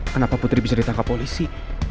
kenapa putri bisa ditangkap polisi